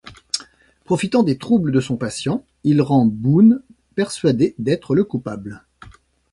Profitant des troubles de son patient, il rend Boone persuadé d'être le coupable.